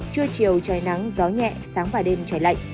trưa chiều trời nắng gió nhẹ sáng và đêm trời lạnh